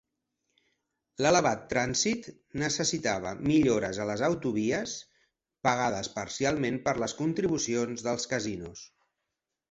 L'elevat trànsit necessitava millores a les autovies, pagades parcialment per les contribucions dels casinos.